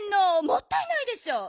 もったいないでしょう。